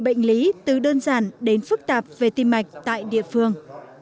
bệnh lý từ đơn giản đến phức tạp về tim mạch tại địa phương